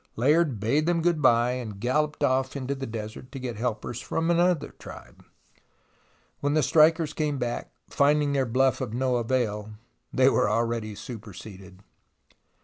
Layard bade them good bye, and galloped off into the desert to get helpers from another tribe. When the strikers came back, finding their bluff of no avail, they were already superseded.